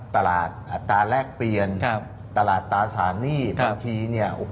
ตลาดอัตราแรกเปลี่ยนตลาดตราสารหนี้บางที